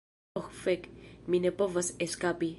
Oh fek, mi ne povas eskapi!